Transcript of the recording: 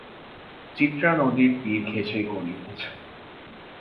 চিত্রা নদীর তীর ঘেষে গড়ে উঠেছে।